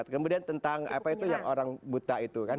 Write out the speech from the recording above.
kemudian tentang apa itu yang orang buta itu kan